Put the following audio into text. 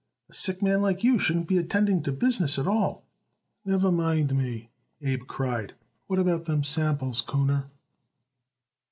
"A sick man like you shouldn't be attending to business at all." "Never mind me," Abe cried. "What about them samples, Kuhner?"